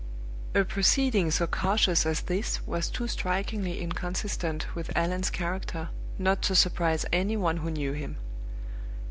A proceeding so cautious as this was too strikingly inconsistent with Allan's character not to surprise any one who knew him.